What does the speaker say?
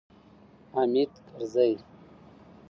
حامد کرزی